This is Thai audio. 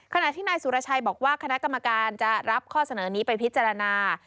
ขณะที่นายสุรชัยบอกว่าคณะกรรมการจะรับข้อเสนอนี้ไปพิจารณา